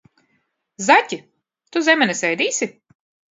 Zaķi, tu zemenes ēdīsi?